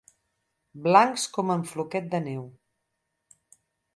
Blancs com en Floquet de Neu.